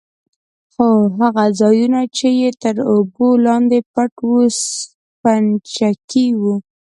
خو هغه ځايونه يې چې تر اوبو لاندې پټ وو سپينچکي وو.